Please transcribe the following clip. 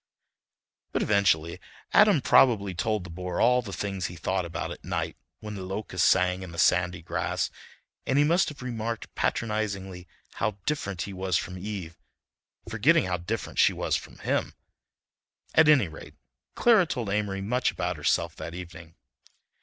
But eventually Adam probably told the bore all the things he thought about at night when the locusts sang in the sandy grass, and he must have remarked patronizingly how different he was from Eve, forgetting how different she was from him... at any rate, Clara told Amory much about herself that evening.